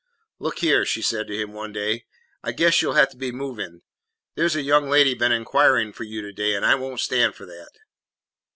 "Look here," she said to him one day, "I guess you 'll have to be moving. There 's a young lady been inquiring for you to day, and I won't stand for that."